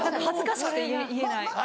恥ずかしくて言えない。